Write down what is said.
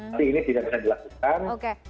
tapi ini tidak bisa dilakukan